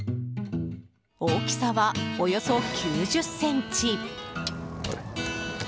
大きさは、およそ９０ｃｍ。